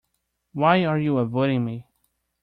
Why are you avoiding me?